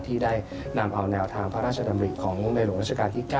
ที่ได้นำเอาแนวทางพระราชดำริของในหลวงราชการที่๙